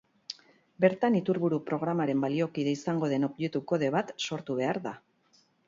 Bertan, iturburu-programaren baliokide izango den objektu-kode bat sortu behar da.